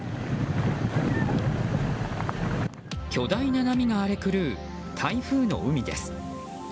巨大な波が荒れ狂う台風の海です。